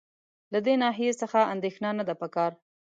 له دې ناحیې څخه اندېښنه نه ده په کار.